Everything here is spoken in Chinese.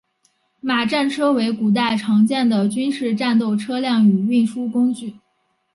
马战车为古代常见的军事战斗车辆与运输工具。